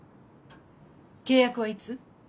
契約はいつ？